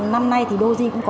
năm nay thì đôi riêng cũng có